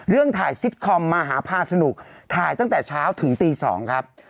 เรื่องถ่ายซิตคอมมหาพาสนุกถ่ายตั้งแต่เช้าถึงตี๒ครับ